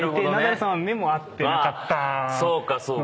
そうかそうか。